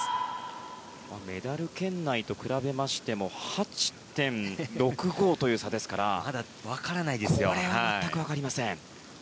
メダル圏内と比べましても８．６５という差ですからこれは全く分かりません。